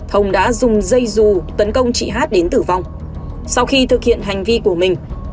hát đến tử vong sau khi thực hiện hành vi của mình